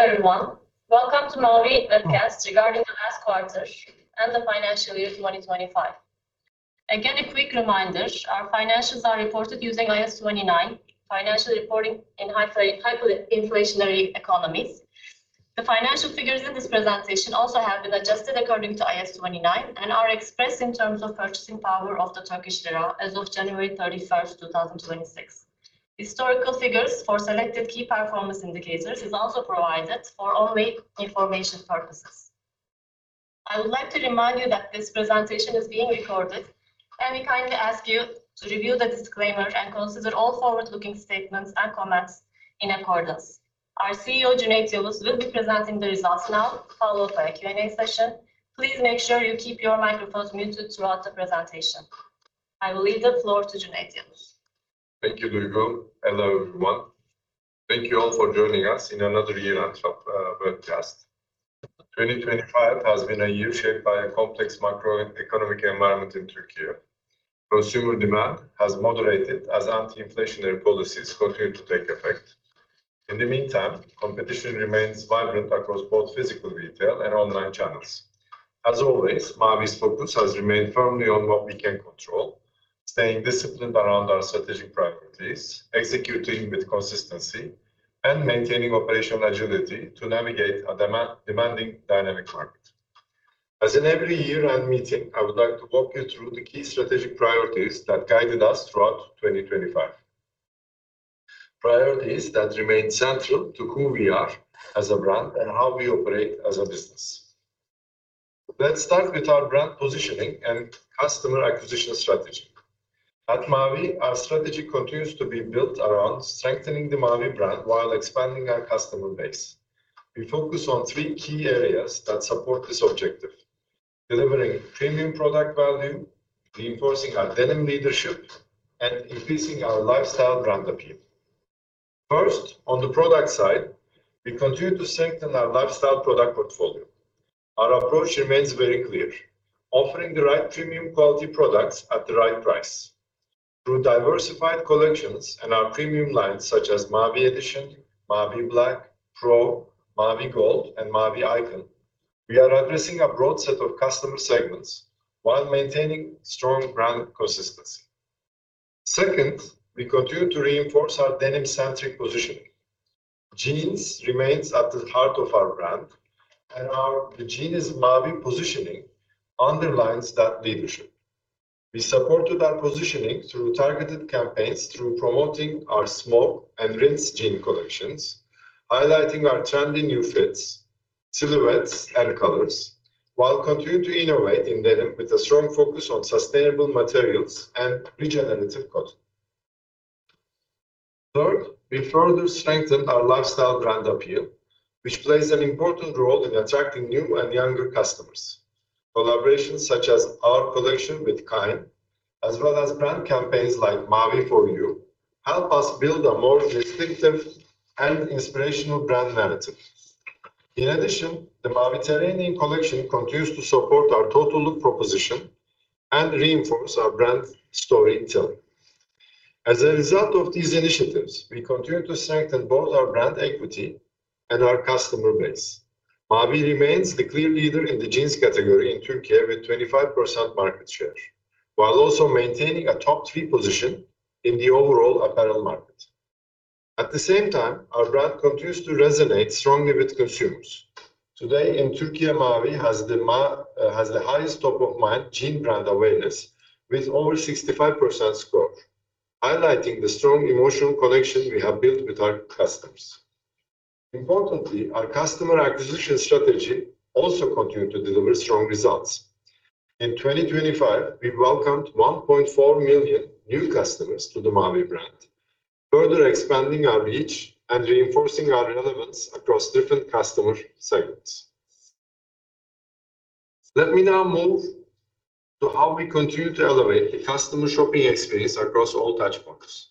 Hello, everyone. Welcome to Mavi webcast regarding the last quarter and the financial year 2025. Again, a quick reminder, our financials are reported using IAS 29, financial reporting in hyperinflationary economies. The financial figures in this presentation also have been adjusted according to IAS 29 and are expressed in terms of purchasing power of the Turkish lira as of January 31, 2026. Historical figures for selected key performance indicators is also provided for informational purposes only. I would like to remind you that this presentation is being recorded, and we kindly ask you to review the disclaimer and consider all forward-looking statements and comments in accordance. Our CEO, Cüneyt Yavuz, will be presenting the results now, followed by a Q&A session. Please make sure you keep your microphones muted throughout the presentation. I will leave the floor to Cüneyt Yavuz. Thank you, Duygu. Hello, everyone. Thank you all for joining us in another year-end webcast. 2025 has been a year shaped by a complex macroeconomic environment in Turkey. Consumer demand has moderated as anti-inflationary policies continue to take effect. In the meantime, competition remains vibrant across both physical retail and online channels. As always, Mavi's focus has remained firmly on what we can control, staying disciplined around our strategic priorities, executing with consistency, and maintaining operational agility to navigate a demanding dynamic market. As in every year-end meeting, I would like to walk you through the key strategic priorities that guided us throughout 2025. Priorities that remain central to who we are as a brand and how we operate as a business. Let's start with our brand positioning and customer acquisition strategy. At Mavi, our strategy continues to be built around strengthening the Mavi brand while expanding our customer base. We focus on three key areas that support this objective, delivering premium product value, reinforcing our denim leadership, and increasing our lifestyle brand appeal. First, on the product side, we continue to strengthen our lifestyle product portfolio. Our approach remains very clear, offering the right premium quality products at the right price. Through diversified collections and our premium lines such as Mavi Edition, Mavi Black, Pro, Mavi Gold, and Mavi Icon, we are addressing a broad set of customer segments while maintaining strong brand consistency. Second, we continue to reinforce our denim-centric positioning. Jeans remains at the heart of our brand, and our "The Jean is Mavi" positioning underlines that leadership. We supported our positioning through targeted campaigns promoting our Smoke and Rinse jean collections, highlighting our trendy new fits, silhouettes, and colors, while continuing to innovate in denim with a strong focus on sustainable materials and regenerative cotton. Third, we further strengthen our lifestyle brand appeal, which plays an important role in attracting new and younger customers. Collaborations such as our collection with Kind + Jugend, as well as brand campaigns like Mavi For You, help us build a more distinctive and inspirational brand narrative. In addition, the Mavi-terranean collection continues to support our total look proposition and reinforce our brand storytelling. As a result of these initiatives, we continue to strengthen both our brand equity and our customer base. Mavi remains the clear leader in the jeans category in Turkey with 25% market share, while also maintaining a top-three position in the overall apparel market. At the same time, our brand continues to resonate strongly with consumers. Today, in Turkey, Mavi has the highest top-of-mind jean brand awareness with over 65% score, highlighting the strong emotional connection we have built with our customers. Importantly, our customer acquisition strategy also continued to deliver strong results. In 2025, we welcomed 1.4 million new customers to the Mavi brand, further expanding our reach and reinforcing our relevance across different customer segments. Let me now move to how we continue to elevate the customer shopping experience across all touchpoints.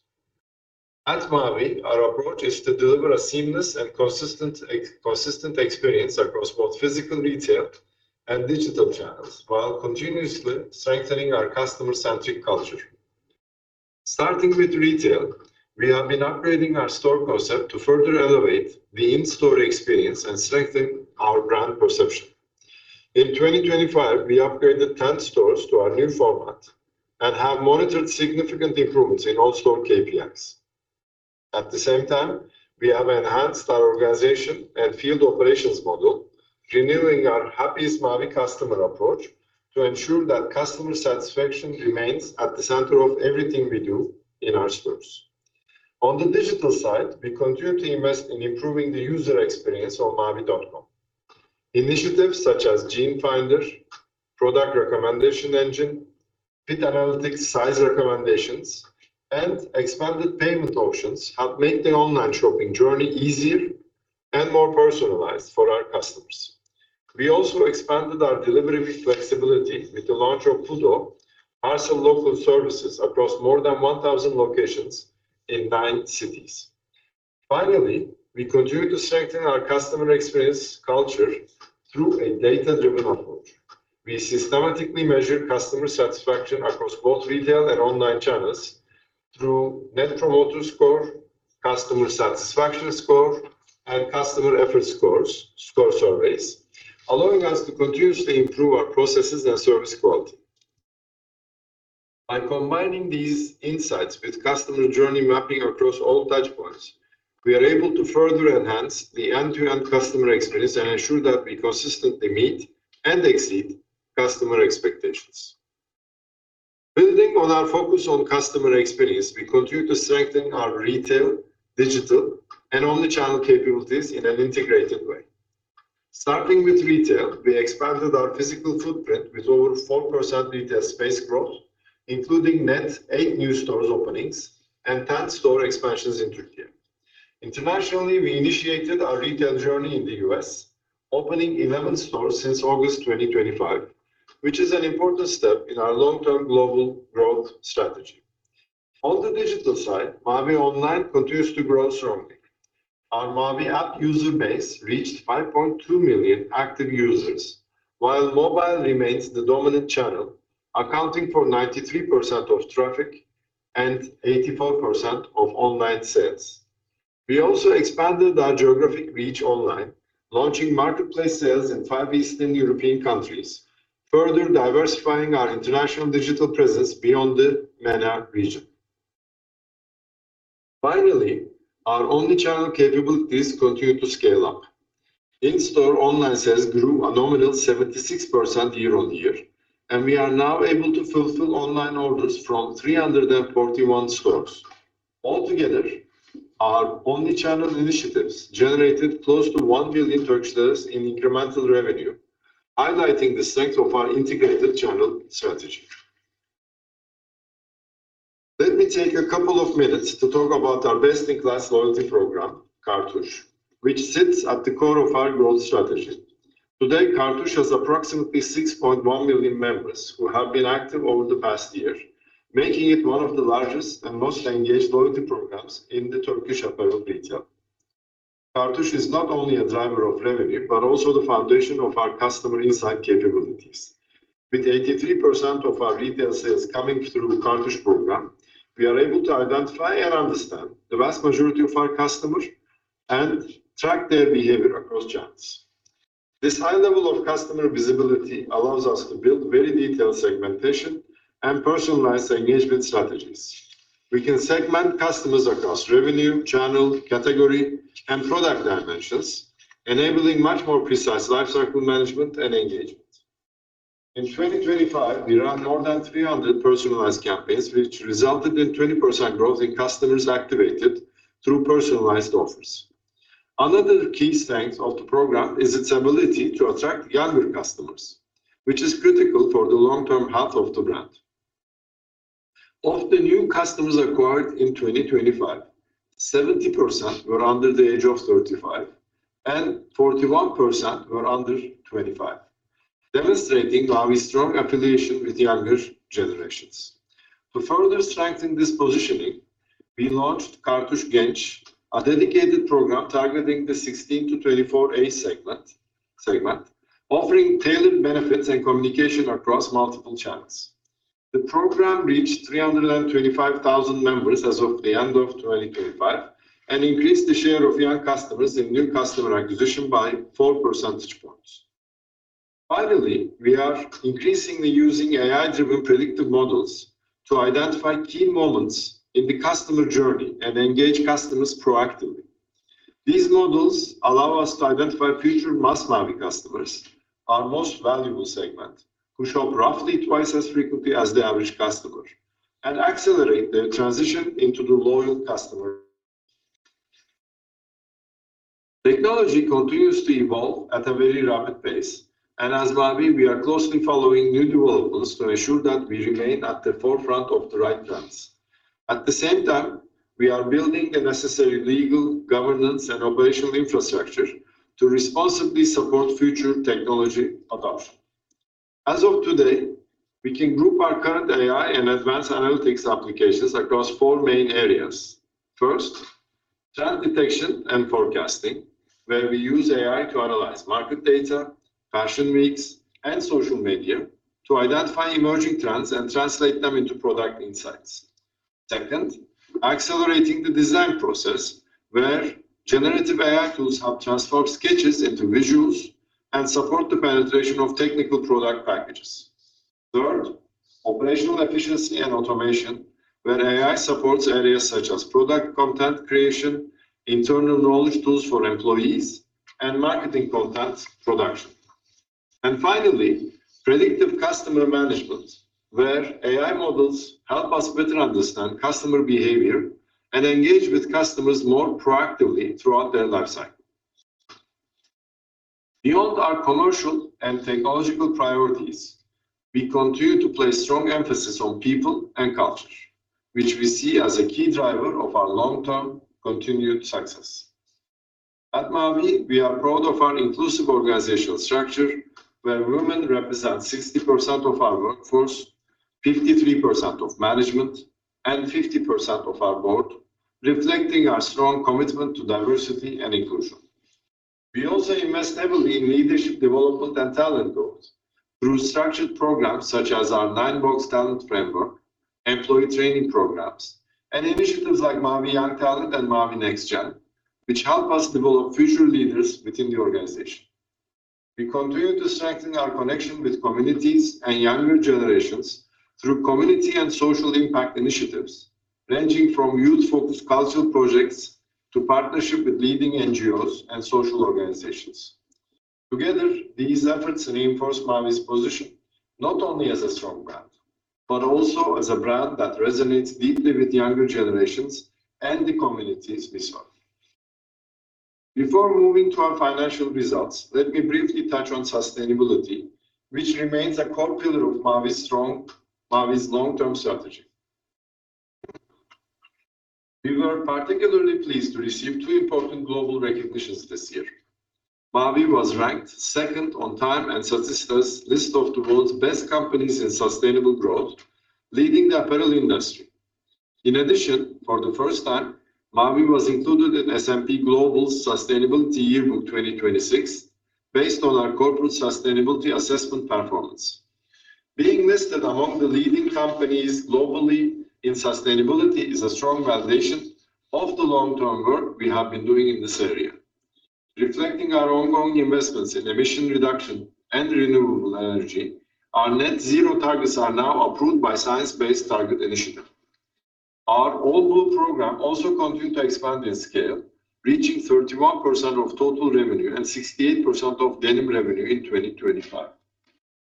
At Mavi, our approach is to deliver a seamless and consistent experience across both physical retail and digital channels while continuously strengthening our customer-centric culture. Starting with retail, we have been upgrading our store concept to further elevate the in-store experience and strengthen our brand perception. In 2025, we upgraded 10 stores to our new format and have monitored significant improvements in all store KPIs. At the same time, we have enhanced our organization and field operations model, renewing our Happiest Mavi Customer approach to ensure that customer satisfaction remains at the center of everything we do in our stores. On the digital side, we continue to invest in improving the user experience on mavi.com. Initiatives such as Jean Finder, product recommendation engine, fit analytics, size recommendations, and expanded payment options help make the online shopping journey easier and more personalized for our customers. We also expanded our delivery flexibility with the launch of Pudo, parcel locker services across more than 1,000 locations in nine cities. Finally, we continue to strengthen our customer experience culture through a data-driven approach. We systematically measure customer satisfaction across both retail and online channels through Net Promoter Score, Customer Satisfaction Score, and Customer Effort Score surveys, allowing us to continuously improve our processes and service quality. By combining these insights with customer journey mapping across all touchpoints, we are able to further enhance the end-to-end customer experience and ensure that we consistently meet and exceed customer expectations. Building on our focus on customer experience, we continue to strengthen our retail, digital, and omnichannel capabilities in an integrated way. Starting with retail, we expanded our physical footprint with over 4% retail space growth, including net eight new store openings and 10 store expansions in Turkey. Internationally, we initiated our retail journey in the U.S., opening 11 stores since August 2025, which is an important step in our long-term global growth strategy. On the digital side, Mavi Online continues to grow strongly. Our Mavi app user base reached 5.2 million active users, while mobile remains the dominant channel, accounting for 93% of traffic and 84% of online sales. We also expanded our geographic reach online, launching marketplace sales in five Eastern European countries, further diversifying our international digital presence beyond the MENA region. Finally, our omnichannel capabilities continue to scale up. In-store online sales grew a nominal 76% year-on-year, and we are now able to fulfill online orders from 341 stores. Altogether, our omnichannel initiatives generated close to TRY 1 billion in incremental revenue, highlighting the strength of our integrated channel strategy. Let me take a couple of minutes to talk about our best-in-class loyalty program, Kartuş, which sits at the core of our growth strategy. Today, Kartuş has approximately 6.1 million members who have been active over the past year, making it one of the largest and most engaged loyalty programs in the Turkish apparel retail. Kartuş is not only a driver of revenue, but also the foundation of our customer insight capabilities. With 83% of our retail sales coming through Kartuş program, we are able to identify and understand the vast majority of our customers and track their behavior across channels. This high level of customer visibility allows us to build very detailed segmentation and personalized engagement strategies. We can segment customers across revenue, channel, category, and product dimensions, enabling much more precise lifecycle management and engagement. In 2025, we ran more than 300 personalized campaigns, which resulted in 20% growth in customers activated through personalized offers. Another key strength of the program is its ability to attract younger customers, which is critical for the long-term health of the brand. Of the new customers acquired in 2025, 70% were under the age of 35 and 41% were under 25, demonstrating Mavi's strong affiliation with younger generations. To further strengthen this positioning, we launched Kartuş Genç, a dedicated program targeting the 16-24 age segment, offering tailored benefits and communication across multiple channels. The program reached 325,000 members as of the end of 2025 and increased the share of young customers in new customer acquisition by 4 percentage points. Finally, we are increasingly using AI-driven predictive models to identify key moments in the customer journey and engage customers proactively. These models allow us to identify future Mass Mavi customers, our most valuable segment, who shop roughly twice as frequently as the average customer, and accelerate their transition into the loyal customer. Technology continues to evolve at a very rapid pace, and as Mavi, we are closely following new developments to ensure that we remain at the forefront of the right trends. At the same time, we are building the necessary legal, governance, and operational infrastructure to responsibly support future technology adoption. As of today, we can group our current AI and advanced analytics applications across four main areas. First, trend detection and forecasting, where we use AI to analyze market data, fashion weeks, and social media to identify emerging trends and translate them into product insights. Second, accelerating the design process, where generative AI tools help transform sketches into visuals and support the penetration of technical product packages. Third, operational efficiency and automation, where AI supports areas such as product content creation, internal knowledge tools for employees, and marketing content production. Finally, predictive customer management, where AI models help us better understand customer behavior and engage with customers more proactively throughout their life cycle. Beyond our commercial and technological priorities, we continue to place strong emphasis on people and culture, which we see as a key driver of our long-term continued success. At Mavi, we are proud of our inclusive organizational structure, where women represent 60% of our workforce. 53% of management and 50% of our board, reflecting our strong commitment to diversity and inclusion. We also invest heavily in leadership development and talent growth through structured programs such as our 9-Box Talent Framework, employee training programs, and initiatives like Mavi Young Talent and Mavi NextGen, which help us develop future leaders within the organization. We continue to strengthen our connection with communities and younger generations through community and social impact initiatives, ranging from youth-focused cultural projects to partnership with leading NGOs and social organizations. Together, these efforts reinforce Mavi's position not only as a strong brand, but also as a brand that resonates deeply with younger generations and the communities we serve. Before moving to our financial results, let me briefly touch on sustainability, which remains a core pillar of Mavi's long-term strategy. We were particularly pleased to receive two important global recognitions this year. Mavi was ranked second on TIME and Statista's list of the World's Best Companies in Sustainable Growth, leading the apparel industry. In addition, for the first time, Mavi was included in S&P Global Sustainability Yearbook 2026 based on our corporate sustainability assessment performance. Being listed among the leading companies globally in sustainability is a strong validation of the long-term work we have been doing in this area. Reflecting our ongoing investments in emission reduction and renewable energy, our net zero targets are now approved by Science Based Targets initiative. Our All Blue program also continued to expand in scale, reaching 31% of total revenue and 68% of denim revenue in 2025.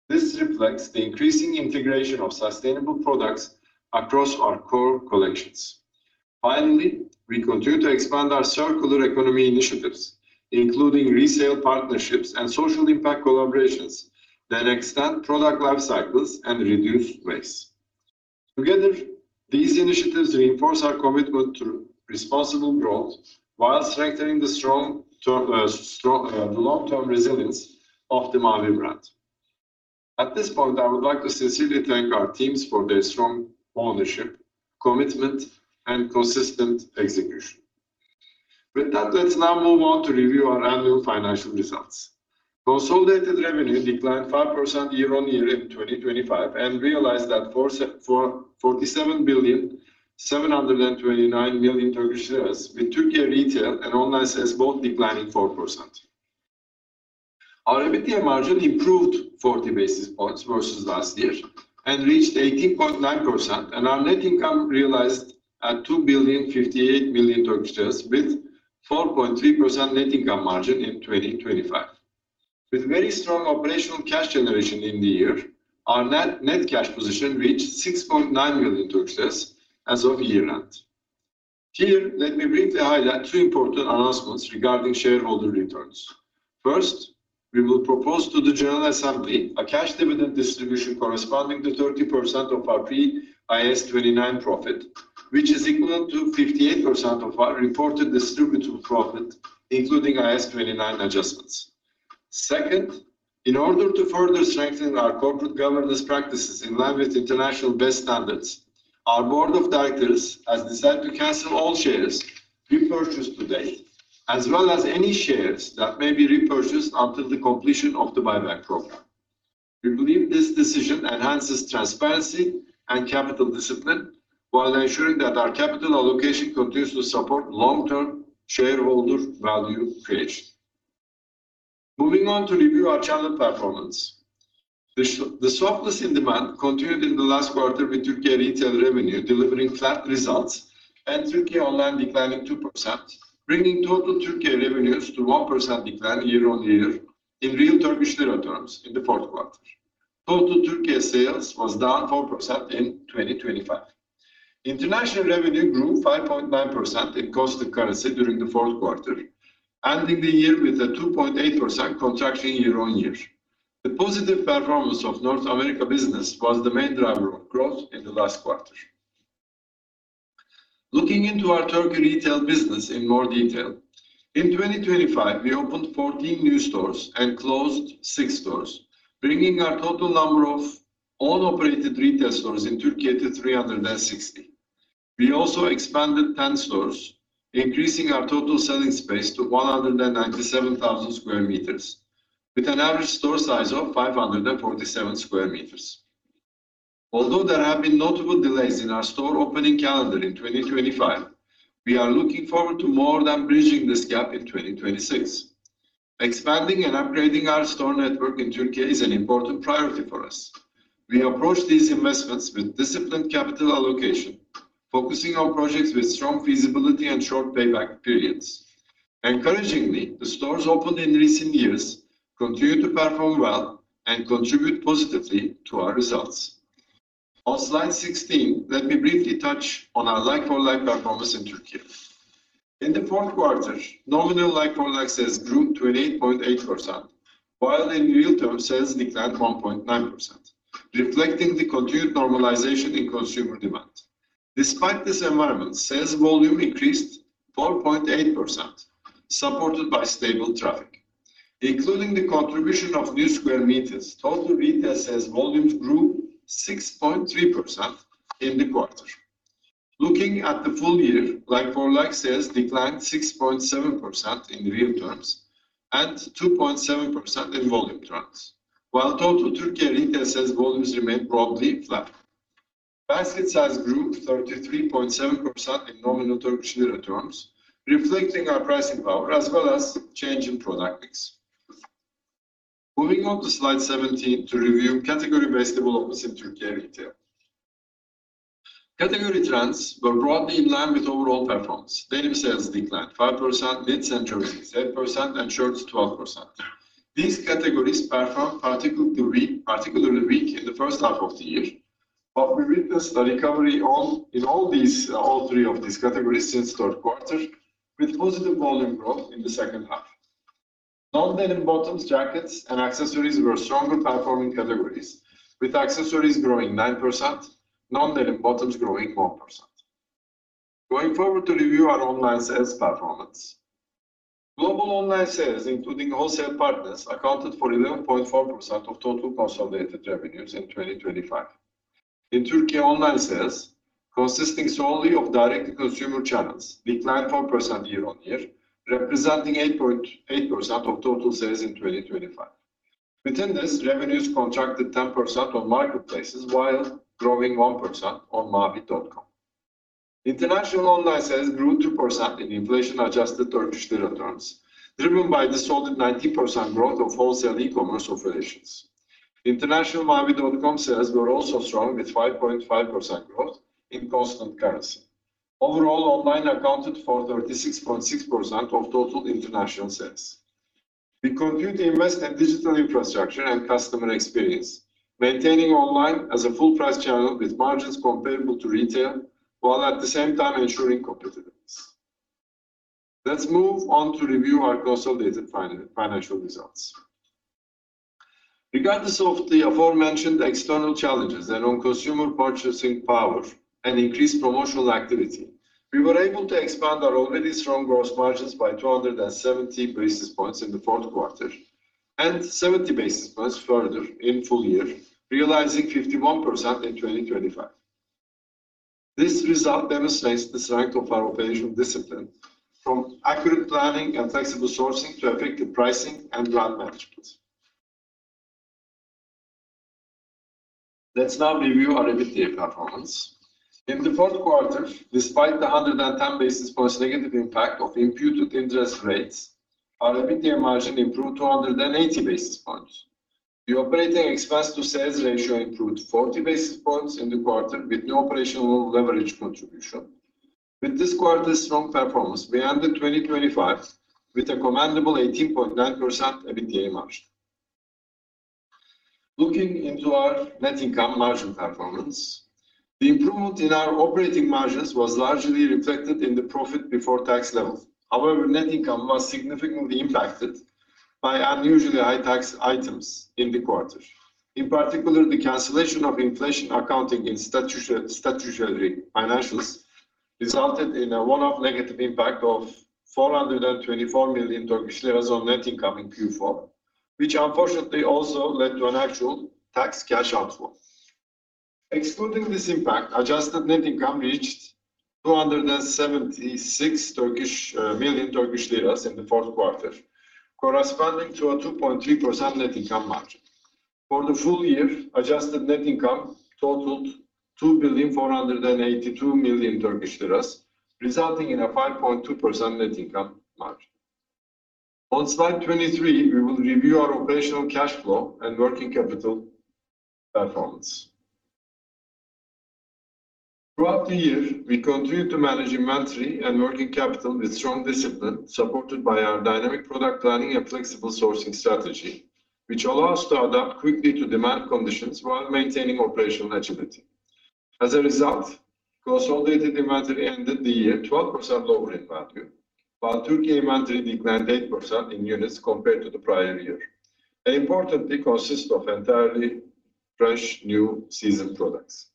This reflects the increasing integration of sustainable products across our core collections. Finally, we continue to expand our circular economy initiatives, including resale partnerships and social impact collaborations that extend product life cycles and reduce waste. Together, these initiatives reinforce our commitment to responsible growth while strengthening the long-term resilience of the Mavi brand. At this point, I would like to sincerely thank our teams for their strong ownership, commitment, and consistent execution. With that, let's now move on to review our annual financial results. Consolidated revenue declined 5% year-on-year in 2025, and realized at TRY 47.729 billion, with Turkey retail and online sales both declining 4%. Our EBITDA margin improved 40 basis points versus last year and reached 18.9%, and our net income realized at 2.058 billion with 4.3% net income margin in 2025. With very strong operational cash generation in the year, our net cash position reached 6.9 million as of year-end. Here, let me briefly highlight two important announcements regarding shareholder returns. First, we will propose to the General Assembly a cash dividend distribution corresponding to 30% of our pre IAS 29 profit, which is equivalent to 58% of our reported distributable profit, including IAS 29 adjustments. Second, in order to further strengthen our corporate governance practices in line with international best standards, our board of directors has decided to cancel all shares repurchased to date, as well as any shares that may be repurchased until the completion of the buyback program. We believe this decision enhances transparency and capital discipline while ensuring that our capital allocation continues to support long-term shareholder value creation. Moving on to review our channel performance. The softness in demand continued in the last quarter with Turkey retail revenue delivering flat results and Turkey online declining 2%, bringing total Turkey revenues to 1% decline year-on-year in real Turkish lira terms in the fourth quarter. Total Turkey sales was down 4% in 2025. International revenue grew 5.9% in constant currency during the fourth quarter, ending the year with a 2.8% contraction year-on-year. The positive performance of North America business was the main driver of growth in the last quarter. Looking into our Turkey retail business in more detail. In 2025, we opened 14 new stores and closed six stores, bringing our total number of own operated retail stores in Turkey to 360. We also expanded 10 stores, increasing our total selling space to 197,000 sq m with an average store size of 547 sq m. Although there have been notable delays in our store opening calendar in 2025, we are looking forward to more than bridging this gap in 2026. Expanding and upgrading our store network in Turkey is an important priority for us. We approach these investments with disciplined capital allocation, focusing on projects with strong feasibility and short payback periods. Encouragingly, the stores opened in recent years continue to perform well and contribute positively to our results. On Slide 16, let me briefly touch on our like-for-like performance in Turkey. In the fourth quarter, nominal like-for-like sales grew 8.8%, while in real terms, sales declined 1.9%, reflecting the continued normalization in consumer demand. Despite this environment, sales volume increased 4.8%, supported by stable traffic. Including the contribution of new sq m, total retail sales volumes grew 6.3% in the quarter. Looking at the full year, like-for-like sales declined 6.7% in real terms and 2.7% in volume terms. While total Turkey retail sales volumes remained broadly flat. Basket size grew 33.7% in nominal Turkish lira terms, reflecting our pricing power as well as change in product mix. Moving on to Slide 17 to review category-based developments in Turkey retail. Category trends were broadly in line with overall performance. Daily sales declined 5%, knits and jerseys 10%, and shirts 12%. These categories performed particularly weak in the first half of the year, but we witnessed a recovery in all three of these categories since third quarter, with positive volume growth in the second half. Non-denim bottoms, jackets, and accessories were stronger performing categories, with accessories growing 9%, non-denim bottoms growing 1%. Going forward to review our online sales performance. Global online sales, including wholesale partners, accounted for 11.4% of total consolidated revenues in 2025. In Turkey, online sales, consisting solely of direct consumer channels, declined 4% year-on-year, representing 8.8% of total sales in 2025. Within this, revenues contracted 10% on marketplaces while growing 1% on mavi.com. International online sales grew 2% in inflation-adjusted Turkish lira terms, driven by the solid 90% growth of wholesale e-commerce operations. International mavi.com sales were also strong, with 5.5% growth in constant currency. Overall, online accounted for 36.6% of total international sales. We continue to invest in digital infrastructure and customer experience, maintaining online as a full price channel with margins comparable to retail, while at the same time ensuring competitiveness. Let's move on to review our consolidated financial results. Regardless of the aforementioned external challenges and on consumer purchasing power and increased promotional activity, we were able to expand our already strong growth margins by 270 basis points in the fourth quarter and 70 basis points further in full year, realizing 51% in 2025. This result demonstrates the strength of our operational discipline from accurate planning and flexible sourcing to effective pricing and brand management. Let's now review our EBITDA performance. In the fourth quarter, despite the 110 basis points negative impact of imputed interest rates, our EBITDA margin improved 280 basis points. The operating expense to sales ratio improved 40 basis points in the quarter, with no operational leverage contribution. With this quarter's strong performance, we ended 2025 with a commendable 18.9% EBITDA margin. Looking into our net income margin performance, the improvement in our operating margins was largely reflected in the profit before tax level. However, net income was significantly impacted by unusually high tax items in the quarter. In particular, the cancellation of inflation accounting in statutory financials resulted in a one-off negative impact of 424 million Turkish lira on net income in Q4, which unfortunately also led to an actual tax cash outflow. Excluding this impact, adjusted net income reached 276 million Turkish lira in the fourth quarter, corresponding to a 2.3% net income margin. For the full year, adjusted net income totaled 2.482 billion, resulting in a 5.2% net income margin. On Slide 23, we will review our operational cash flow and working capital performance. Throughout the year, we continued to manage inventory and working capital with strong discipline, supported by our dynamic product planning and flexible sourcing strategy, which allow us to adapt quickly to demand conditions while maintaining operational agility. As a result, consolidated inventory ended the year 12% lower in value, while Turkey inventory declined 8% in units compared to the prior year. They importantly consist of entirely fresh, new season products.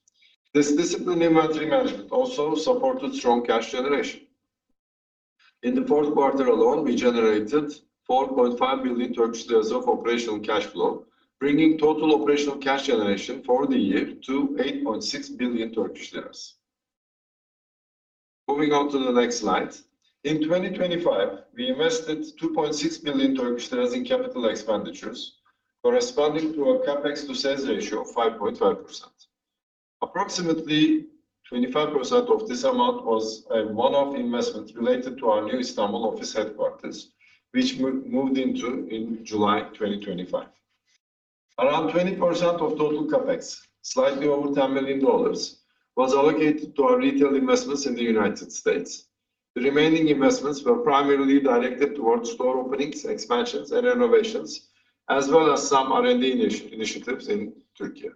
This disciplined inventory management also supported strong cash generation. In the fourth quarter alone, we generated 4.5 billion Turkish lira of operational cash flow, bringing total operational cash generation for the year to 8.6 billion Turkish lira. Moving on to the next slide. In 2025, we invested 2.6 billion Turkish lira in capital expenditures, corresponding to a CapEx to sales ratio of 5.5%. Approximately 25% of this amount was a one-off investment related to our new Istanbul office headquarters, which moved into in July 2025. Around 20% of total CapEx, slightly over $10 million, was allocated to our retail investments in the United States. The remaining investments were primarily directed towards store openings, expansions, and renovations, as well as some R&D initiatives in Turkey.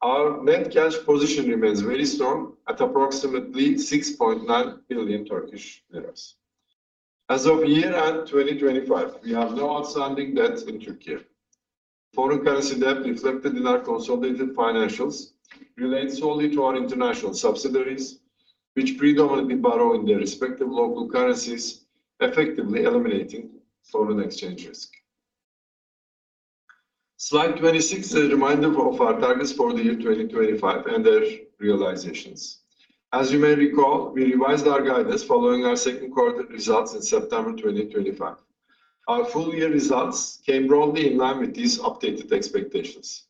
Our net cash position remains very strong at approximately 6.9 billion Turkish lira. As of year-end 2025, we have no outstanding debt in Turkey. Foreign currency debt reflected in our consolidated financials relates solely to our international subsidiaries, which predominantly borrow in their respective local currencies, effectively eliminating foreign exchange risk. Slide 26 is a reminder of our targets for the year 2025 and their realizations. As you may recall, we revised our guidance following our second quarter results in September 2025. Our full year results came broadly in line with these updated expectations.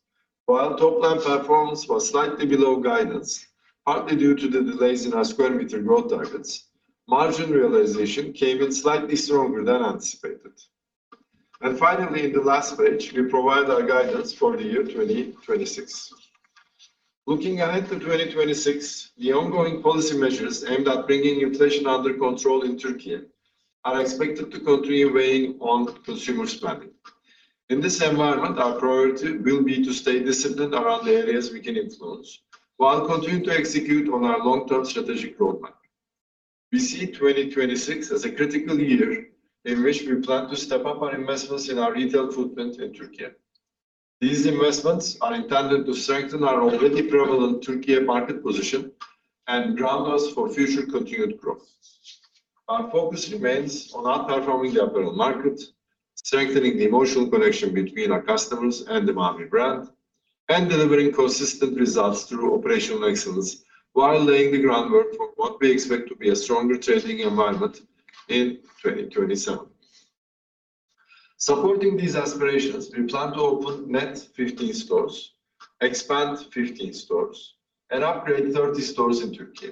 While top line performance was slightly below guidance, partly due to the delays in our sq m growth targets, margin realization came in slightly stronger than anticipated. Finally, in the last page, we provide our guidance for the year 2026. Looking ahead to 2026, the ongoing policy measures aimed at bringing inflation under control in Turkey are expected to continue weighing on consumer spending. In this environment, our priority will be to stay disciplined around the areas we can influence while continuing to execute on our long-term strategic roadmap. We see 2026 as a critical year in which we plan to step up our investments in our retail footprint in Turkey. These investments are intended to strengthen our already prevalent Turkey market position and ground us for future continued growth. Our focus remains on outperforming the apparel market, strengthening the emotional connection between our customers and the Mavi brand, and delivering consistent results through operational excellence while laying the groundwork for what we expect to be a stronger trading environment in 2027. Supporting these aspirations, we plan to open net 15 stores, expand 15 stores, and upgrade 30 stores in Turkey.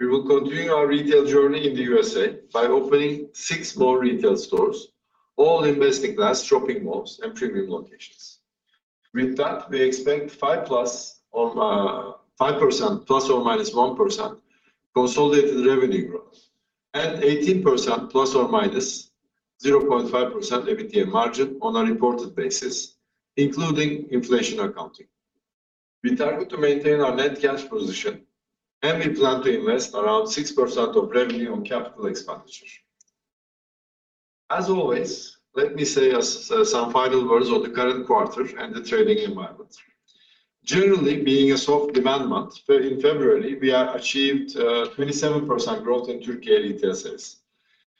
We will continue our retail journey in the USA by opening six more retail stores, all in best-in-class shopping malls and premium locations. With that, we expect 5%+ or 5% ±1% consolidated revenue growth and 18% ±0.5% EBITDA margin on a reported basis, including inflation accounting. We target to maintain our net cash position, and we plan to invest around 6% of revenue on capital expenditure. As always, let me say some final words on the current quarter and the trading environment. Generally, being a soft demand month, in February, we achieved 27% growth in Turkey retail sales.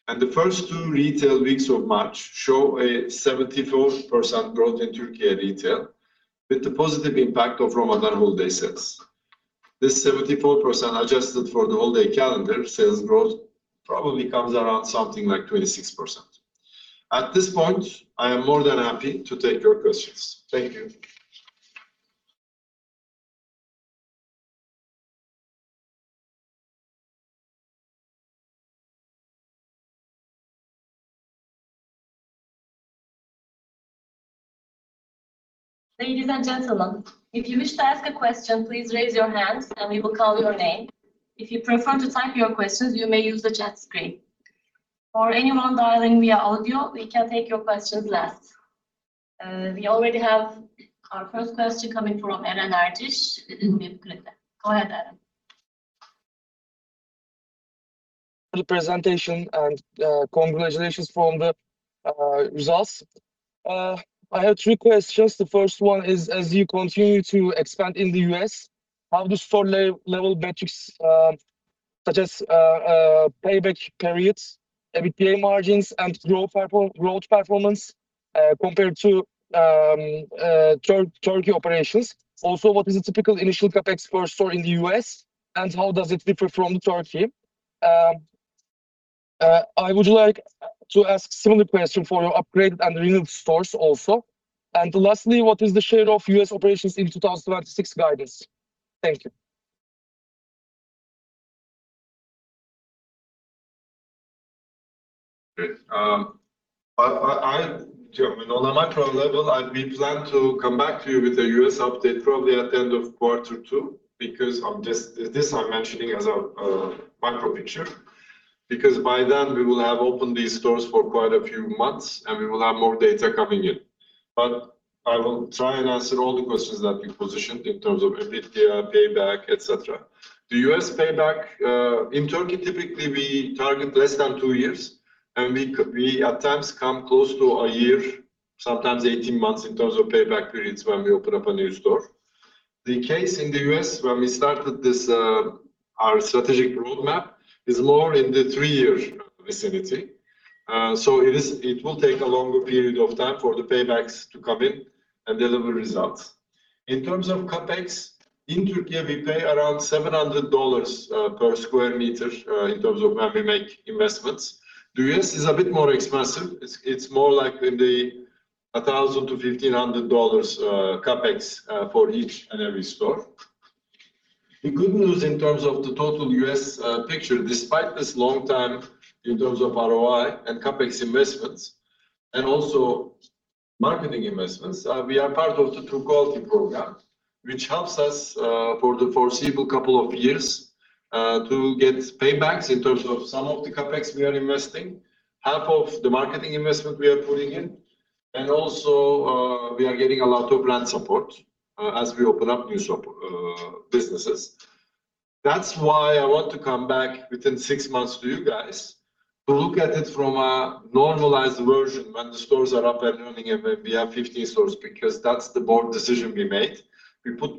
The first two retail weeks of March show a 74% growth in Turkey retail with the positive impact of Ramadan holiday sales. This 74% adjusted for the holiday calendar sales growth probably comes around something like 26%. At this point, I am more than happy to take your questions. Thank you. Ladies and gentlemen, if you wish to ask a question, please raise your hands, and we will call your name. If you prefer to type your questions, you may use the chat screen. For anyone dialing via audio, we can take your questions last. We already have our first question coming from Eren Ardıç. Go ahead, Eren. For the presentation and congratulations from the results. I have three questions. The first one is, as you continue to expand in the U.S., how do store level metrics, such as payback periods, EBITDA margins, and growth performance, compare to Turkey operations? Also, what is a typical initial CapEx per store in the U.S., and how does it differ from Turkey? I would like to ask similar question for your upgraded and renewed stores also. Lastly, what is the share of U.S. operations in 2026 guidance? Thank you. Great. On a macro level, we plan to come back to you with a U.S. update probably at the end of quarter two, because I'm just this I'm mentioning as a macro picture, because by then we will have opened these stores for quite a few months, and we will have more data coming in. I will try and answer all the questions that you posed in terms of EBITDA, payback, et cetera. The U.S. payback in Turkey, typically, we target less than two years, and we at times come close to a year, sometimes 18 months in terms of payback periods when we open up a new store. The case in the U.S. when we started this, our strategic roadmap is more in the three-year vicinity. It is. It will take a longer period of time for the paybacks to come in and deliver results. In terms of CapEx, in Turkey, we pay around $700 per sq m in terms of when we make investments. The U.S. is a bit more expensive. It's more like $1,000-$1,500 CapEx for each and every store. The good news in terms of the total U.S. picture, despite this long time in terms of ROI and CapEx investments and also marketing investments, we are part of the TURQUALITY program, which helps us, for the foreseeable couple of years, to get paybacks in terms of some of the CapEx we are investing, half of the marketing investment we are putting in, and also, we are getting a lot of brand support, as we open up new businesses. That's why I want to come back within six months to you guys to look at it from a normalized version when the stores are up and running and we have 15 stores, because that's the board decision we made.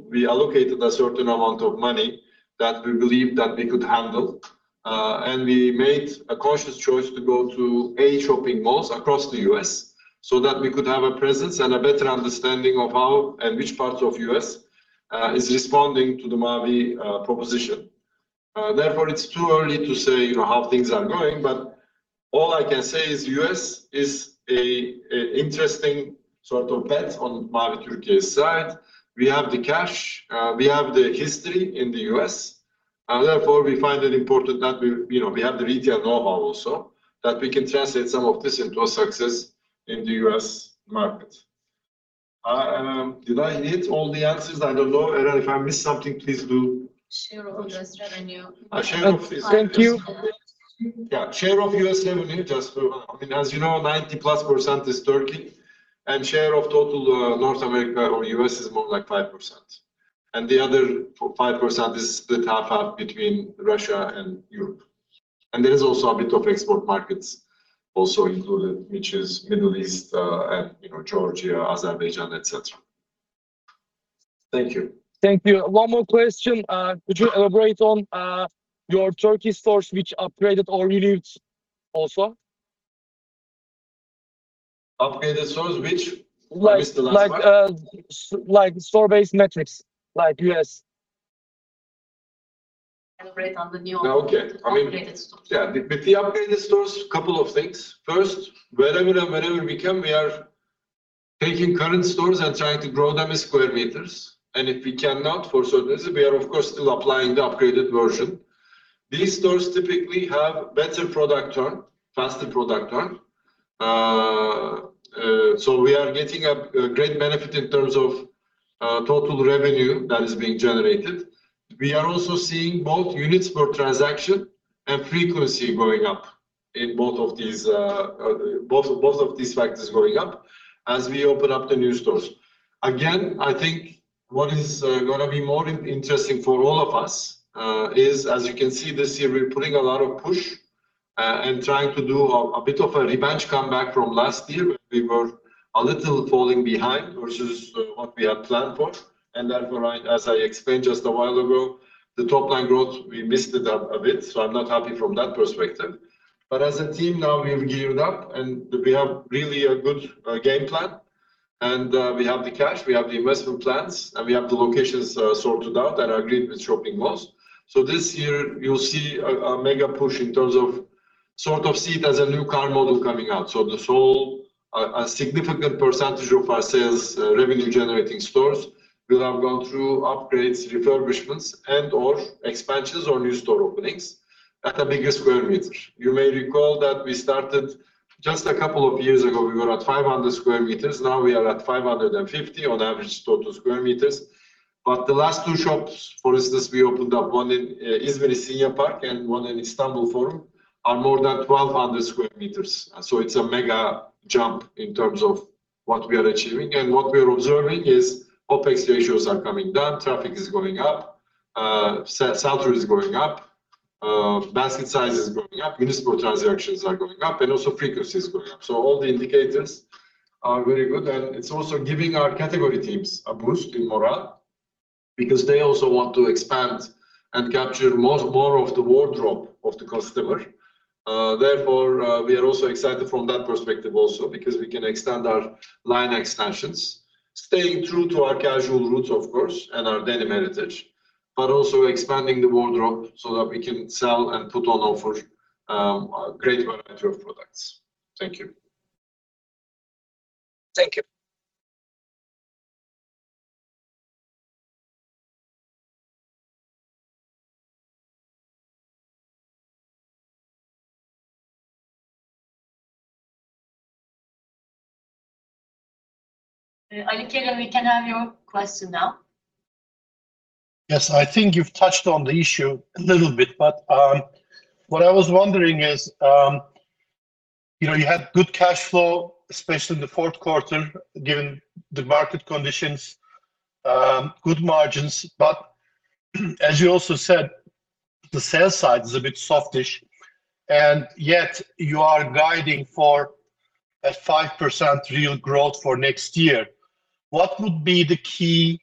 We allocated a certain amount of money that we believe that we could handle, and we made a conscious choice to go to eight shopping malls across the U.S. so that we could have a presence and a better understanding of how and which parts of U.S. is responding to the Mavi proposition. Therefore, it's too early to say, you know, how things are going, but all I can say is U.S. is an interesting sort of bet on Mavi Turkey's side. We have the cash, we have the history in the U.S., and therefore we find it important that we, you know, we have the retail know-how also, that we can translate some of this into a success in the U.S. market. Did I hit all the answers? I don't know. Eren, if I missed something, please do. Share of U.S. revenue. Uh, share of- Thank you. Yeah. Share of U.S. revenue, just for I mean, as you know, 90%+ is Turkey, and share of total, North America or U.S. is more like 5%. The other 5% is split half half between Russia and Europe. There is also a bit of export markets also included, which is Middle East, and, you know, Georgia, Azerbaijan, et cetera. Thank you. Thank you. One more question. Could you elaborate on your Turkey stores which upgraded or renewed also? Upgraded stores which? I missed the last part. Like store-based metrics, like U.S. Elaborate on the new- Okay. Upgraded stores. Yeah. With the upgraded stores, couple of things. First, wherever and whenever we can, we are taking current stores and trying to grow them in sq m. If we cannot for certain reasons, we are of course still applying the upgraded version. These stores typically have better product turn, faster product turn. So we are getting a great benefit in terms of total revenue that is being generated. We are also seeing both units per transaction and frequency going up in both of these factors going up as we open up the new stores. I think what is gonna be more interesting for all of us is, as you can see this year, we're putting a lot of push and trying to do a bit of a revenge comeback from last year when we were a little falling behind versus what we had planned for. Therefore, as I explained just a while ago, the top-line growth, we missed it a bit, so I'm not happy from that perspective. As a team now, we've geared up, and we have really a good game plan, and we have the cash, we have the investment plans, and we have the locations sorted out and agreed with shopping malls. This year you'll see a mega push in terms of sort of see it as a new car model coming out. This whole significant percentage of our sales revenue generating stores will have gone through upgrades, refurbishments, and/or expansions or new store openings at a bigger sq m. You may recall that we started just a couple of years ago, we were at 500 sq m. Now we are at 550 on average total sq m. The last two shops, for instance, we opened up one in İzmir Optimum and one in Forum İstanbul, are more than 1,200 sq m. It's a mega jump in terms of what we are achieving. What we are observing is OpEx ratios are coming down, traffic is going up, sell-through is going up, basket size is going up, number of transactions are going up, and also frequency is going up. All the indicators are very good, and it's also giving our category teams a boost in morale because they also want to expand and capture more of the wardrobe of the customer. Therefore, we are also excited from that perspective also because we can extend our line extensions, staying true to our casual roots of course, and our denim heritage, but also expanding the wardrobe so that we can sell and put on offer a great variety of products. Thank you. Thank you. Ali Kerem, we can have your question now. Yes. I think you've touched on the issue a little bit, but what I was wondering is, you know, you had good cash flow, especially in the fourth quarter, given the market conditions, good margins. But as you also said, the sales side is a bit softish, and yet you are guiding for a 5% real growth for next year. What would be the key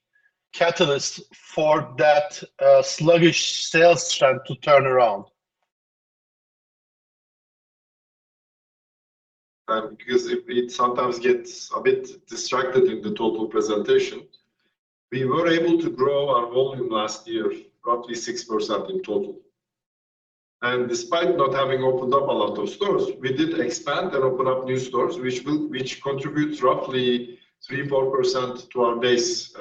catalyst for that, sluggish sales trend to turn around? Because it sometimes gets a bit distracted in the total presentation. We were able to grow our volume last year, roughly 6% in total. Despite not having opened up a lot of stores, we did expand and open up new stores, which contribute roughly 3%-4% to our base,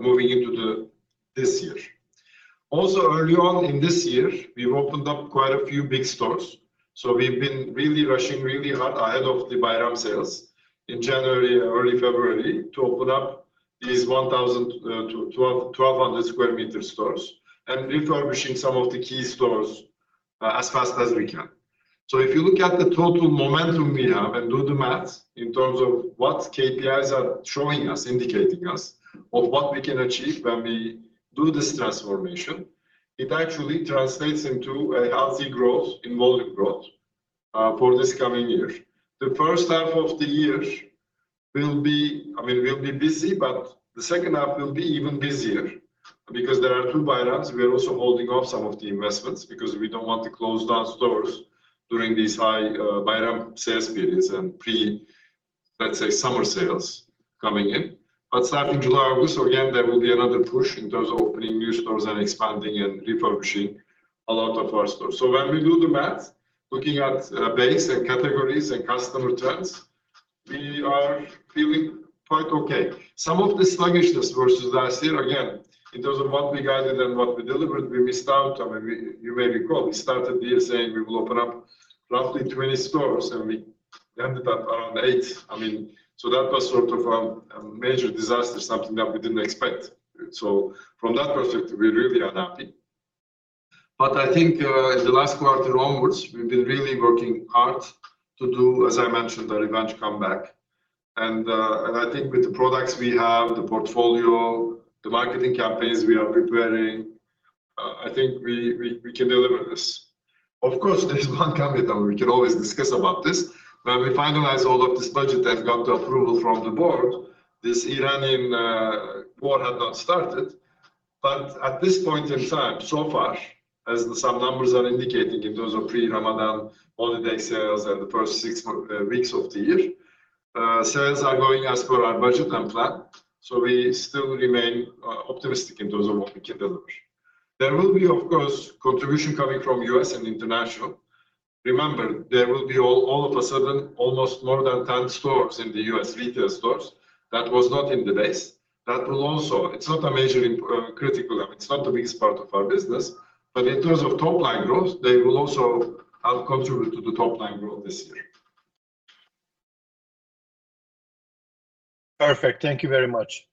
moving into this year. Also, early on in this year, we've opened up quite a few big stores. We've been really rushing really hard ahead of the Bayram sales in January, early February, to open up these 1,000 sq m-1,200 sq m stores and refurbishing some of the key stores, as fast as we can. If you look at the total momentum we have and do the math in terms of what KPIs are showing us, indicating us of what we can achieve when we do this transformation, it actually translates into a healthy growth in volume growth, for this coming year. The first half of the year will be I mean, we'll be busy, but the second half will be even busier because there are two Bayrams. We are also holding off some of the investments because we don't want to close down stores during these high, Bayram sales periods and pre, let's say, summer sales coming in. Starting July, August, again, there will be another push in terms of opening new stores and expanding and refurbishing a lot of our stores. When we do the math, looking at base and categories and customer trends, we are feeling quite okay. Some of the sluggishness versus last year, again, in terms of what we guided and what we delivered, we missed out. I mean, you may recall, we started the year saying we will open up roughly 20 stores, and we ended up around right. I mean, that was sort of a major disaster, something that we didn't expect. From that perspective, we really are happy. I think, in the last quarter onwards, we've been really working hard to do, as I mentioned, a revenge comeback. I think with the products we have, the portfolio, the marketing campaigns we are preparing, I think we can deliver this. Of course, there's one caveat that we can always discuss about this. When we finalized all of this budget that got the approval from the board, this Ukraine war had not started. At this point in time, so far, as some numbers are indicating in terms of pre-Ramadan holiday sales and the first six weeks of the year, sales are going as per our budget and plan, so we still remain optimistic in terms of what we can deliver. There will be, of course, contribution coming from U.S. and international. Remember, there will be all of a sudden, almost more than 10 stores in the U.S., retail stores, that was not in the base. That will also. It's not a major, critical. I mean, it's not the biggest part of our business. In terms of top-line growth, they will also help contribute to the top-line growth this year. Perfect. Thank you very much.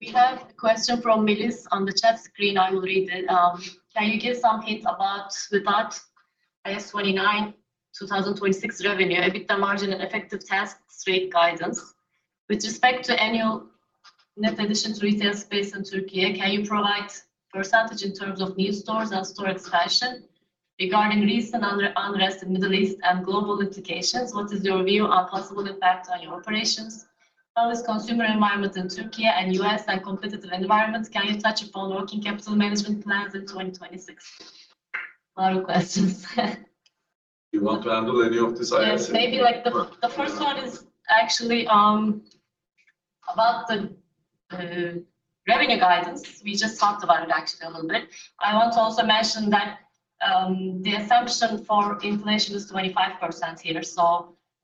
We have a question from Melis on the chat screen. I will read it. Can you give some hints about the thought IAS 29, 2026 revenue, EBITDA margin, and effective tax rate guidance? With respect to annual net addition to retail space in Turkey, can you provide percentage in terms of new stores and store expansion? Regarding recent unrest in Middle East and global implications, what is your view on possible impact on your operations? How is consumer environment in Turkey and U.S. and competitive environment, can you touch upon working capital management plans in 2026? A lot of questions. You want to handle any of these, Duygu İnceöz? Yes. Maybe like the first one is actually about the revenue guidance. We just talked about it actually a little bit. I want to also mention that the assumption for inflation is 25% here.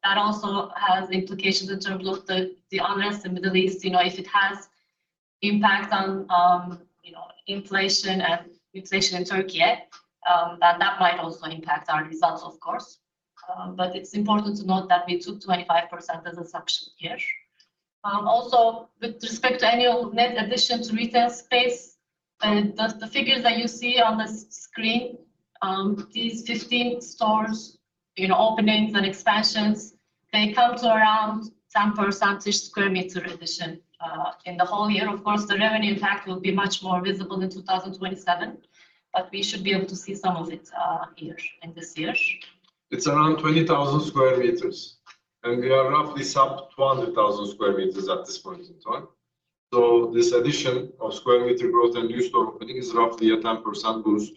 That also has implications in terms of the unrest in the Middle East. You know, if it has impact on, you know, inflation and inflation in Turkey, then that might also impact our results, of course. It's important to note that we took 25% as assumption here. Also with respect to annual net addition to retail space, the figures that you see on the screen, these 15 stores, you know, openings and expansions, they come to around 10% sq m addition in the whole year. Of course, the revenue impact will be much more visible in 2027, but we should be able to see some of it here in this year. It's around 20,000 sq m, and we are roughly sub 200,000 sq m at this point in time. This addition of sq m growth and new store opening is roughly a 10% boost.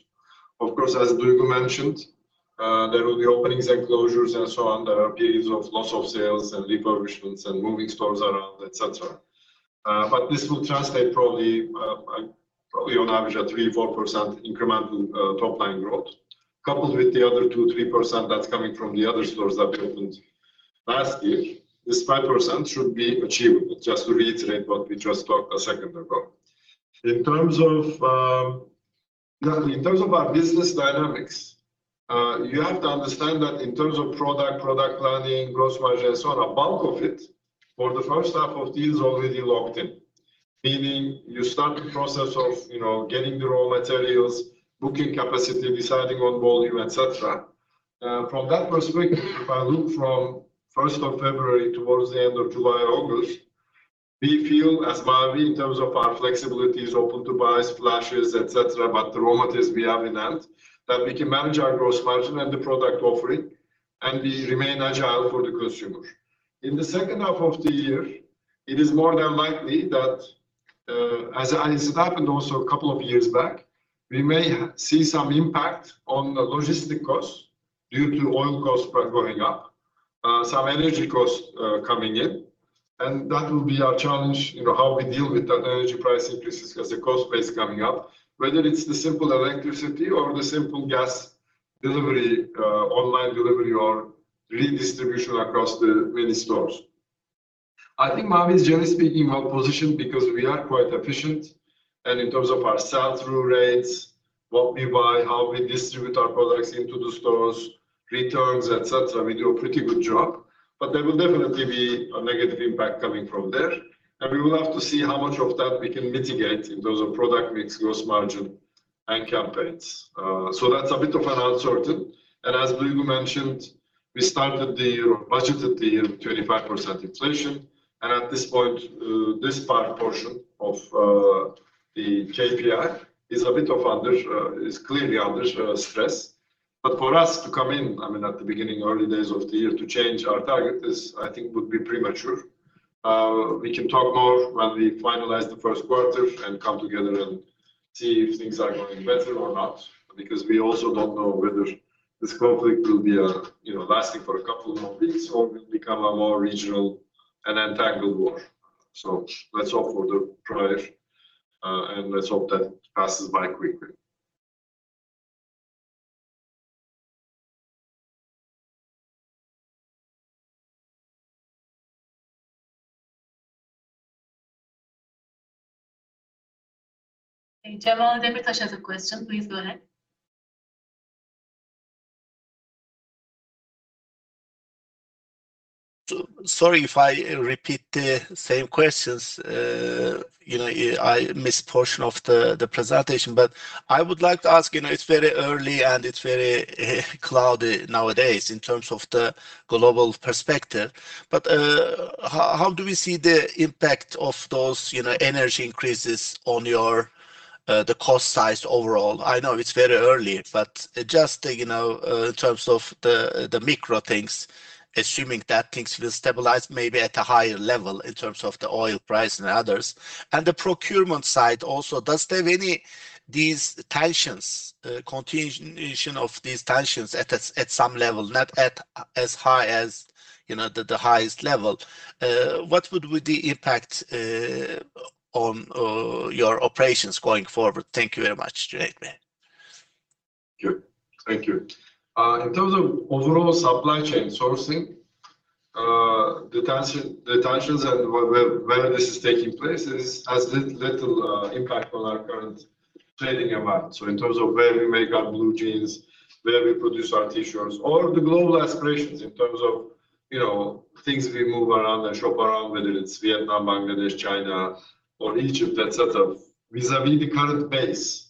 Of course, as Duygu mentioned, there will be openings and closures and so on. There are periods of loss of sales and refurbishments and moving stores around, et cetera. This will translate probably on average a 3%-4% incremental top-line growth. Coupled with the other 2%-3% that's coming from the other stores that we opened last year, this 5% should be achievable, just to reiterate what we just talked a second ago. In terms of our business dynamics, you have to understand that in terms of product planning, gross margin and so on, a bulk of it for the first half of the year is already locked in. Meaning you start the process of, you know, getting the raw materials, booking capacity, deciding on volume, et cetera. From that perspective, if I look from first of February towards the end of July, August, we feel as Mavi, in terms of our flexibilities, open-to-buys, flashes, et cetera, about the raw materials we have in hand, that we can manage our gross margin and the product offering, and we remain agile for the consumer. In the second half of the year, it is more than likely that, as. It's happened also a couple of years back, we may see some impact on the logistic costs due to oil costs going up, some energy costs coming in, and that will be our challenge. You know, how we deal with that energy price increases as the cost base coming up, whether it's the simple electricity or the simple gas delivery, online delivery or redistribution across the many stores. I think Mavi is generally speaking well-positioned because we are quite efficient. In terms of our sell-through rates, what we buy, how we distribute our products into the stores, returns, etc., we do a pretty good job, but there will definitely be a negative impact coming from there. We will have to see how much of that we can mitigate in terms of product mix, gross margin, and campaigns. That's a bit of an uncertainty. As Duygu mentioned, we started the year, budgeted the year 25% inflation. At this point, this portion of the KPI is clearly under stress. For us to come in, I mean, at the beginning, early days of the year, to change our target is, I think would be premature. We can talk more when we finalize the first quarter and come together and see if things are going better or not, because we also don't know whether this conflict will be, you know, lasting for a couple more weeks or will become a more regional and entangled war. Let's hope and pray, and let's hope that passes by quickly. Okay. Cemal Demirtaş has a question. Please go ahead. Sorry if I repeat the same questions. You know, I missed portion of the presentation. I would like to ask, you know, it's very early, and it's very cloudy nowadays in terms of the global perspective. How do we see the impact of those, you know, energy increases on your cost side overall? I know it's very early, but just, you know, in terms of the macro things, assuming that things will stabilize maybe at a higher level in terms of the oil price and others. The procurement side also, is there any continuation of these tensions at some level, not as high as, you know, the highest level? What would be the impact on your operations going forward? Thank you very much. Cüneyt Yavuz. Sure. Thank you. In terms of overall supply chain sourcing, the tensions and where this is taking place has little impact on our current trading amount. In terms of where we make our blue jeans, where we produce our T-shirts, or the global aspirations in terms of, you know, things we move around and shop around, whether it's Vietnam, Bangladesh, China, or Egypt, that sort of vis-a-vis the current base.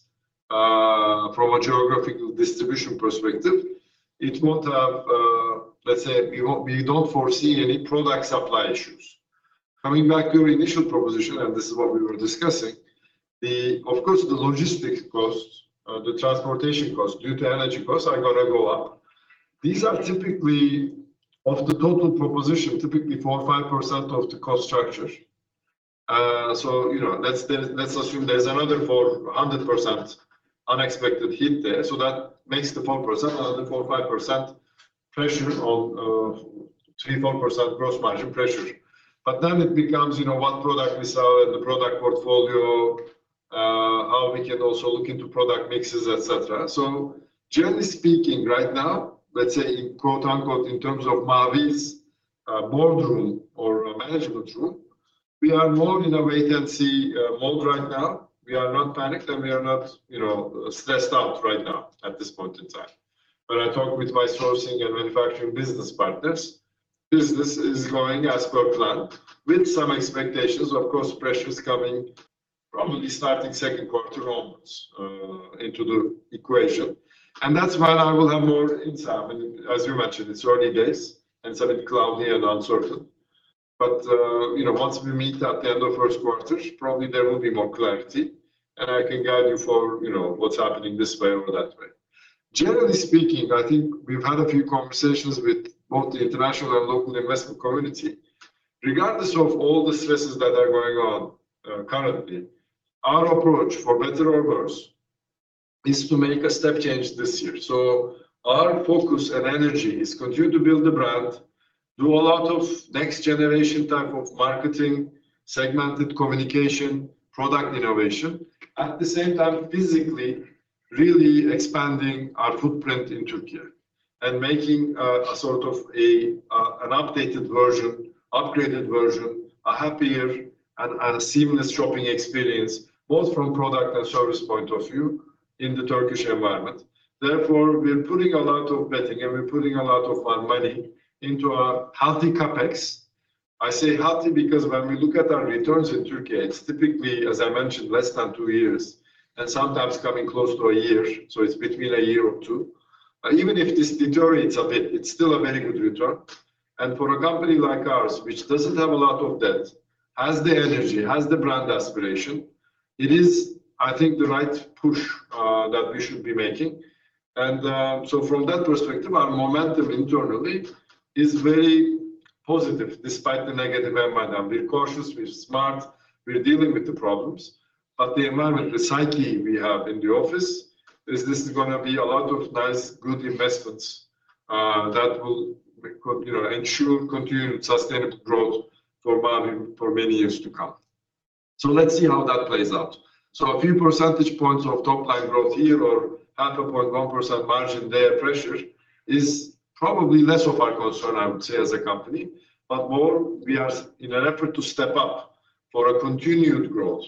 From a geographical distribution perspective, it won't have. Let's say we don't foresee any product supply issues. Coming back to your initial proposition, and this is what we were discussing, of course, the logistics costs, the transportation costs due to energy costs are gonna go up. These are typically of the total proposition, typically 4% or 5% of the cost structure. Let's assume there's another 400% unexpected hit there. That makes the 4%, another 4%-5% pressure on 3%-4% gross margin pressure. It becomes, you know, what product we sell in the product portfolio, how we can also look into product mixes, etc. Generally speaking right now, let's say in quote unquote, in terms of Mavi's boardroom or management room, we are more in a wait-and-see mode right now. We are not panicked, and we are not, you know, stressed out right now at this point in time. When I talk with my sourcing and manufacturing business partners, business is going as per plan with some expectations, of course, pressures coming probably starting second quarter onwards into the equation. That's when I will have more insight. As you mentioned, it's early days and a bit cloudy and uncertain. You know, once we meet at the end of first quarter, probably there will be more clarity, and I can guide you for, you know, what's happening this way or that way. Generally speaking, I think we've had a few conversations with both the international and local investment community. Regardless of all the stresses that are going on, currently, our approach, for better or worse, is to make a step change this year. Our focus and energy is continue to build the brand, do a lot of next generation type of marketing, segmented communication, product innovation. At the same time, physically really expanding our footprint in Turkey and making an updated version, upgraded version, a happier and a seamless shopping experience, both from product and service point of view in the Turkish environment. Therefore, we're putting a lot of bets, and we're putting a lot of our money into a healthy CapEx. I say healthy because when we look at our returns in Turkey, it's typically, as I mentioned, less than two years and sometimes coming close to a year, so it's between a year or two. But even if this deteriorates a bit, it's still a very good return. For a company like ours, which doesn't have a lot of debt, has the energy, has the brand aspiration, it is, I think, the right push that we should be making. From that perspective, our momentum internally is very positive despite the negative environment. We're cautious, we're smart, we're dealing with the problems, but the environment, the psyche we have in the office is this is gonna be a lot of nice, good investments that will, you know, ensure continued sustainable growth for Mavi for many years to come. Let's see how that plays out. A few percentage points of top-line growth here or half a point 1% margin there. Pressure is probably less of our concern, I would say, as a company, but more we are in an effort to step up for a continued growth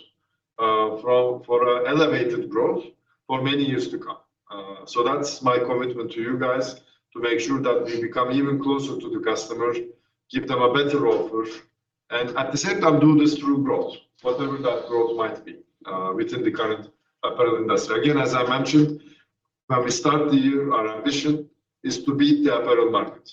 for an elevated growth for many years to come. That's my commitment to you guys, to make sure that we become even closer to the customer, give them a better offer, and at the same time, do this through growth, whatever that growth might be, within the current apparel industry. Again, as I mentioned, when we start the year, our ambition is to beat the apparel market.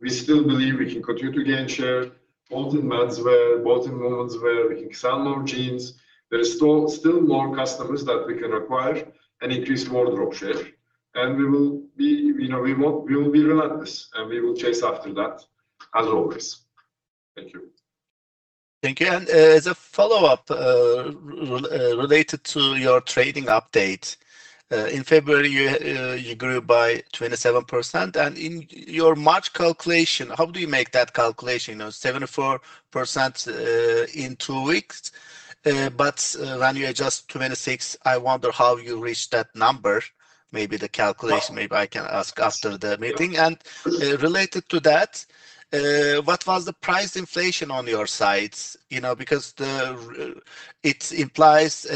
We still believe we can continue to gain share both in menswear, both in womenswear. We can sell more jeans. There is still more customers that we can acquire and increase wardrobe share. You know, we will be relentless, and we will chase after that as always. Thank you. Thank you. As a follow-up, related to your trading update. In February, you grew by 27%, and in your March calculation, how do you make that calculation? You know, 74% in two weeks, but when you adjust 26%, I wonder how you reach that number. Maybe the calculation. Well- Maybe I can ask after the meeting. Sure. Please. Related to that, what was the price inflation on your sides? You know, because it implies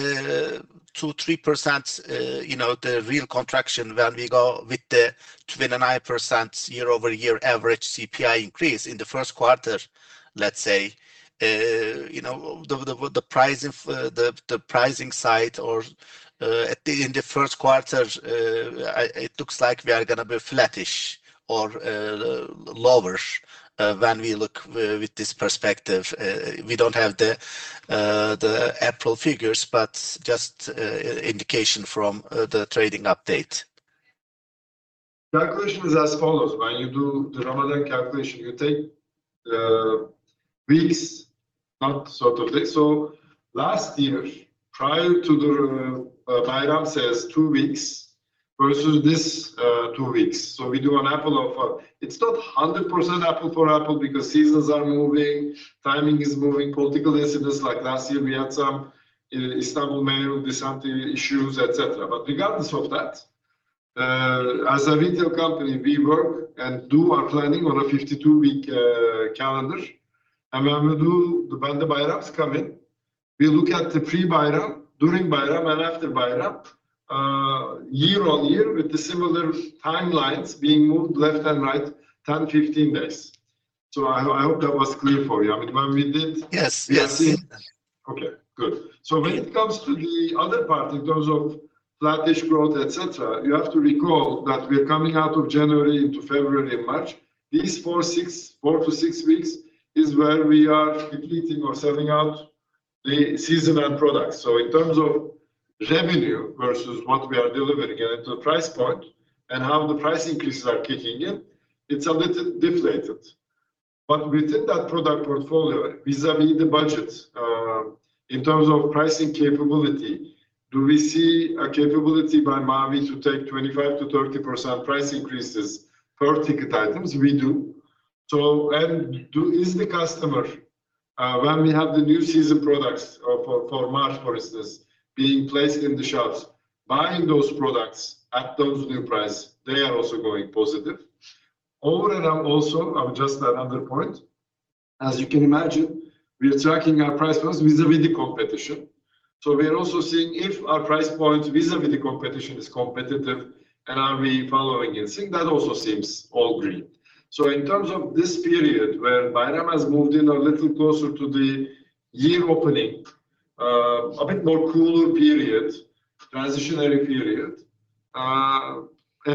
2%-3%, you know, the real contraction when we go with the 29% year-over-year average CPI increase in the first quarter, let's say. You know, the pricing side or in the first quarter, it looks like we are gonna be flattish or lower when we look with this perspective. We don't have the April figures, but just indication from the trading update. Calculation is as follows. When you do the Ramadan calculation, you take weeks. Last year, prior to the Bayram sales, two weeks versus this two weeks. We do an apples-to-apples. It's not 100% apples-to-apples because seasons are moving, timing is moving, political incidents like last year we had some Istanbul mayor did something, issues, et cetera. Regardless of that, as a retail company, we work and do our planning on a 52-week calendar. When the Bayrams come in, we look at the pre-Bayram, during Bayram, and after Bayram year-over-year with the similar timelines being moved left and right 10, 15 days. I hope that was clear for you. I mean, when we did. Yes. Yes. You have seen that? Okay, good. When it comes to the other part, in terms of flatish growth, et cetera, you have to recall that we're coming out of January into February, March. These four to six weeks is where we are depleting or selling out the seasonal products. In terms of revenue versus what we are delivering and into the price point and how the price increases are kicking in, it's a little deflated. Within that product portfolio, vis-à-vis the budget, in terms of pricing capability, do we see a capability by Mavi to take 25%-30% price increases per ticket items? We do. Is the customer, when we have the new season products, for March, for instance, being placed in the shops, buying those products at those new price, they are also going positive. Overall also, just another point, as you can imagine, we are tracking our price points vis-à-vis the competition. We are also seeing if our price points vis-à-vis the competition is competitive, and are we following in sync. That also seems all green. In terms of this period where Bayram has moved in a little closer to the year opening, a bit more cooler period, transitionary period, and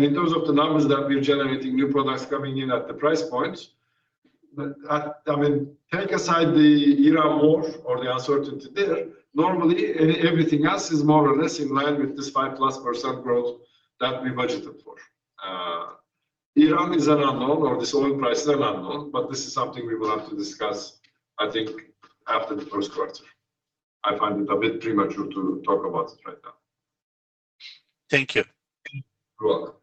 in terms of the numbers that we're generating, new products coming in at the price point, but, I mean, take aside the Iran war or the uncertainty there, normally everything else is more or less in line with this 5%+ growth that we budgeted for. Iran is an unknown or this oil price is an unknown, but this is something we will have to discuss, I think, after the first quarter. I find it a bit premature to talk about it right now. Thank you. You're welcome.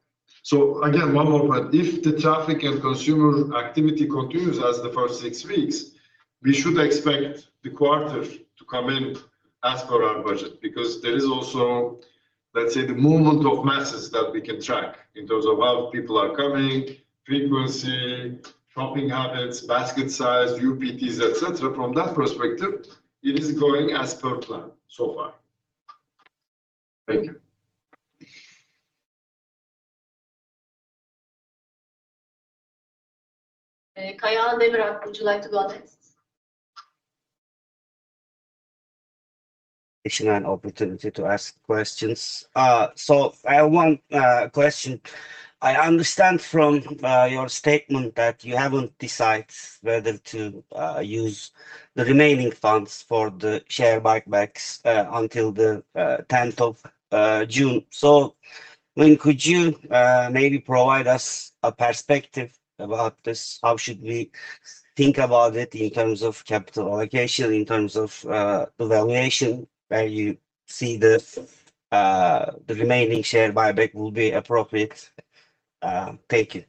Again, one more point. If the traffic and consumer activity continues as the first six weeks, we should expect the quarter to come in as per our budget. Because there is also, let's say, the movement of masses that we can track in terms of how people are coming, frequency, shopping habits, basket size, UPT, et cetera. From that perspective, it is going as per plan so far. Thank you. Kaan Demirkag, would you like to go next? Thanks for an opportunity to ask questions. I have one question. I understand from your statement that you haven't decided whether to use the remaining funds for the share buybacks until the 10th June. When could you maybe provide us a perspective about this? How should we think about it in terms of capital allocation, in terms of the valuation where you see the remaining share buyback will be appropriate? Thank you.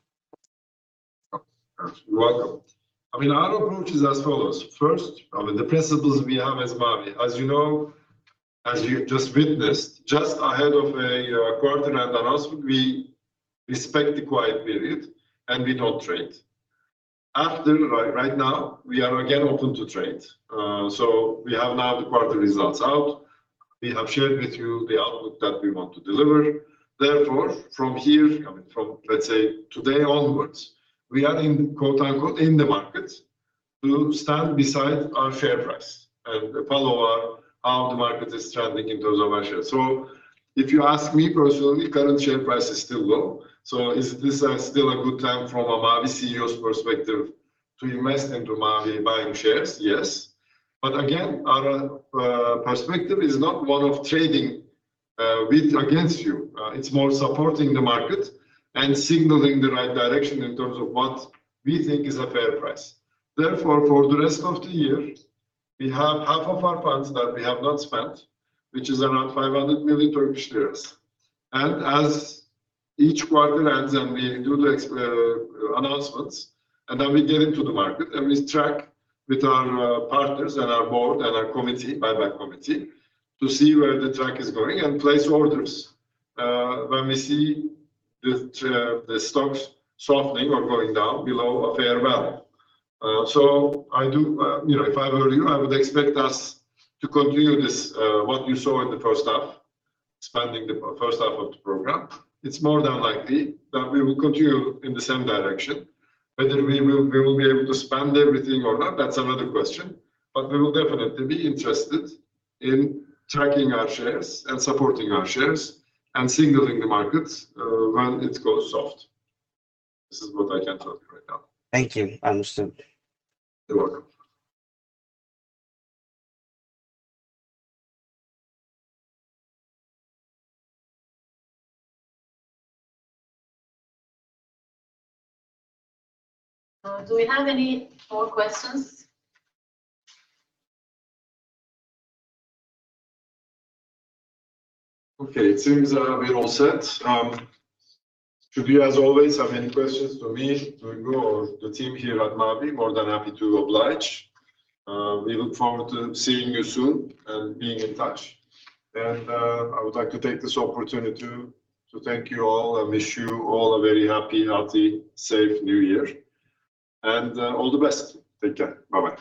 You're welcome. I mean, our approach is as follows. First, I mean, the principles we have as Mavi, as you know, as you just witnessed, just ahead of a quarter end announcement, we respect the quiet period, and we don't trade. After, like right now, we are again open to trade. So we have now the quarter results out. We have shared with you the output that we want to deliver. Therefore, from here, I mean, let's say, today onwards, we are in quote-unquote, "in the market" to stand beside our share price and follow how the market is trending in terms of our shares. So if you ask me personally, current share price is still low, so is this still a good time from a Mavi CEO's perspective to invest into Mavi buying shares? Yes. Again, our perspective is not one of trading with or against you. It's more supporting the market and signaling the right direction in terms of what we think is a fair price. Therefore, for the rest of the year, we have 1/2 of our funds that we have not spent, which is around 500 million Turkish lira. As each quarter ends, and we do the announcements, and then we get into the market, and we track with our partners and our board and our committee, buyback committee, to see where the stock is going and place orders when we see the stock softening or going down below a fair value. I do, you know, if I were you, I would expect us to continue this, what you saw in the first half, expanding the first half of the program. It's more than likely that we will continue in the same direction. Whether we will be able to spend everything or not, that's another question. We will definitely be interested in tracking our shares and supporting our shares and signaling the markets, when it goes soft. This is what I can tell you right now. Thank you. Understand. You're welcome. Do we have any more questions? Okay. It seems we're all set. Should you, as always, have any questions for me, Duygu, or the team here at Mavi, more than happy to oblige. We look forward to seeing you soon and being in touch. I would like to take this opportunity to thank you all and wish you all a very happy, healthy, safe new year. All the best. Take care. Bye-bye.